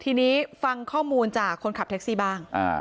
ทีนี้ฟังข้อมูลจากคนขับแท็กซี่บ้าง